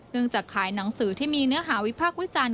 จากขายหนังสือที่มีเนื้อหาวิพากษ์วิจารณ์